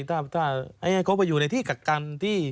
ไหนเขาอยู่ในที่กักกัน